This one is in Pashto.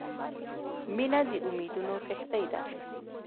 • مینه د امیدونو کښتۍ ده.